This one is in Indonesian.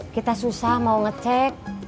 kita susah mau ngecek